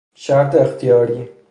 شرط اختیاری